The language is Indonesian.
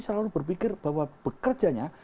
selalu berpikir bahwa bekerjanya